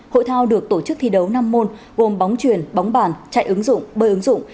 hội thao được tổ chức thi đấu năm môn gồm bóng truyền bóng bàn chạy ứng dụng bơi ứng dụng